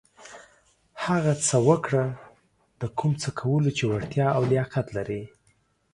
هغه څه وکړه د کوم څه کولو چې وړتېا او لياقت لرٸ.